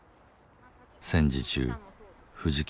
戦時中藤